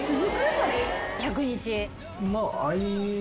それ１００日。